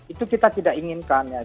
itu kita tidak inginkan ya